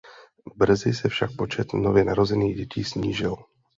Brzy se však počet nově narozených dětí snížil.